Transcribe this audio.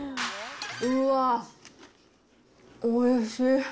うわー、おいしい。